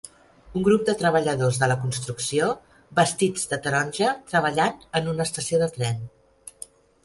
Un grup de treballadors de la construcció vestits de taronja treballant en una estació de tren.